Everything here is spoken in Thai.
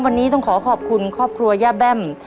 วันนี้ต้องขอขอบคุณครอบครัวย่าแบ้ม